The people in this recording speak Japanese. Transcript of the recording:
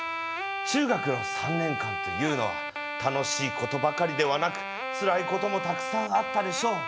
中学の３年間というのは楽しいことばかりではなくつらいこともたくさんあったでしょう。